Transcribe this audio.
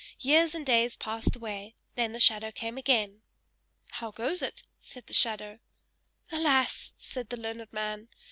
Years and days passed away, then the shadow came again. "How goes it?" said the shadow. "Alas!" said the learned man.